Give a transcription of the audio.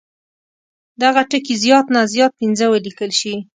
دغه ټکي زیات نه زیات پنځه ولیکل شي.